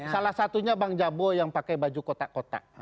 salah satunya bang jabo yang pakai baju kotak kotak